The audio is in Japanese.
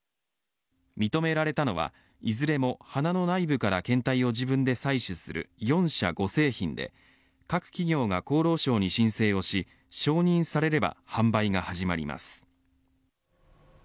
認められたのはいずれも鼻の内部から検体を自分で採取する４社５製品で各企業が厚労省に申請をし承認されれば販売が始まります。